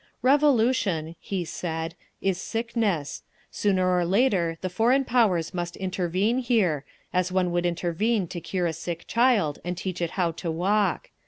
"Revolution," he said, "is a sickness. Sooner or later the foreign powers must intervene here—as one would intervene to cure a sick child, and teach it how to walk.